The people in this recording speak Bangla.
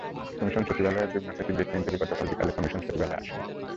কমিশন সচিবালয়ের যুগ্ম সচিব জেসমিন টুলী গতকাল বিকেলে কমিশন সচিবালয়ে আসেন।